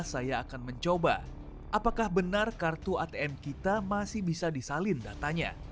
saya akan mencoba apakah benar kartu atm kita masih bisa disalin datanya